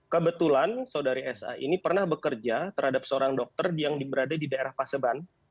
kebetulan saudari sa ini pernah bekerja terhadap seorang dokter yang berada di daerah paseban